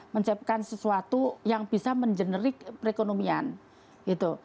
menciptakan sesuatu yang bisa mengenerik perekonomian gitu